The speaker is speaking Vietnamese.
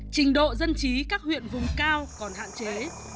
trình độ dân trí các huyện vùng cao còn hạn chế